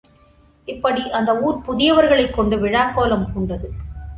இப்படி அந்த ஊர் புதியவர் களைக் கொண்டு விழாக்கோலம் பூண்டது.